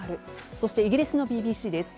そして、イギリスのＢＢＣです。